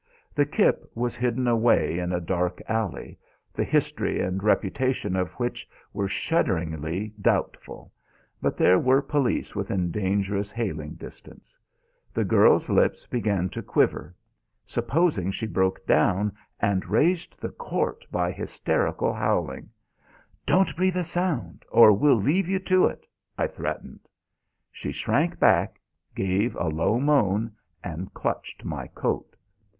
The kip was hidden away in a dark alley, the history and reputation of which were shudderingly doubtful, but there were police within dangerous hailing distance. The girl's lips began to quiver. Supposing she broke down and raised the court by hysterical howling! "Don't breathe a sound, or we'll leave you to it," I threatened. She shrank back, gave a low moan, and clutched my coat.